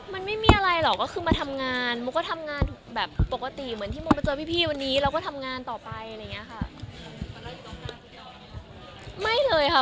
มันไม่มีอะไรหรอกก็คือมาทำงานโมก็ทำงานแบบปกติเหมือนที่โมมาเจอพี่วันนี้แล้วก็ทำงานต่อไปอะไรอย่างเงี้ยค่ะ